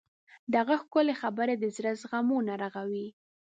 د هغې ښکلي خبرې د زړه زخمونه رغوي.